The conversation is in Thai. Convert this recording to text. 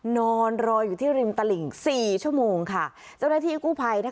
นอนรออยู่ที่ริมตลิ่งสี่ชั่วโมงค่ะเจ้าหน้าที่กู้ภัยนะคะ